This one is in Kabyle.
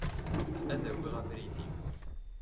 Ad awiɣ abrid-iw.